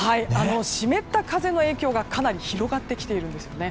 湿った風の影響がかなり広がってきているんですよね。